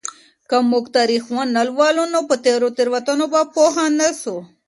که موږ تاریخ ونه لولو نو په تېرو تېروتنو به پوه نسو.